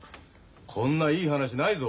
こんないい話ないぞ。